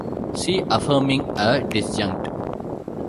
See affirming a disjunct.